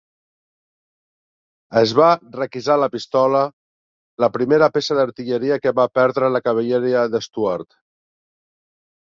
Es va requisar la pistola, la primera peça d'artilleria que va perdre la cavalleria de Stuart.